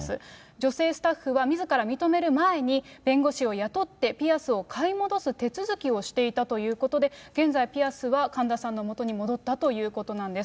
女性スタッフは、みずから認める前に弁護士を雇って、ピアスを買い戻す手続きをしていたということで、現在、ピアスは神田さんのもとに戻ったということなんです。